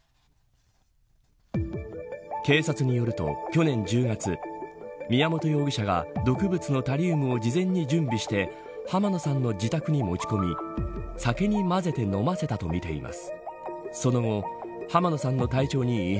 警察によると去年１０月宮本容疑者が毒物のタリウムを事前に準備して濱野さんの自宅に持ち込み酒に混ぜて飲ませたとみています。